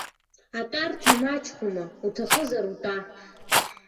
Атәарҭа мачхәума, уҭахызар утәа!